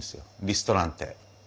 リストランテ。